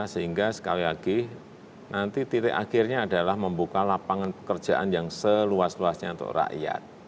sehingga sekali lagi nanti titik akhirnya adalah membuka lapangan pekerjaan yang seluas luasnya untuk rakyat